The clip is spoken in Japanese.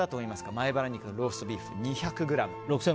前バラ肉のローストビーフ２００ｇ。